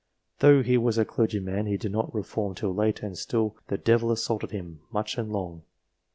Though he was a clergyman he did not reform till late, and still the " devil assaulted him " much and long.